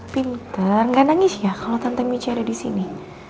pinter nggak nangis ya kalau tante micha ada di sini